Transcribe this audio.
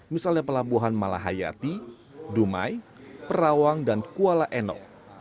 misalnya pelabuhan malahayati dumai perawang dan kuala eno